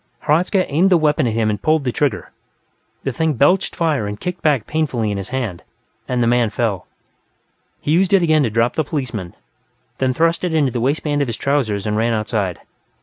Hradzka aimed the weapon at him and pulled the trigger; the thing belched fire and kicked back painfully in his hand, and the man fell. He used it again to drop the policeman, then thrust it into the waistband of his trousers and ran outside.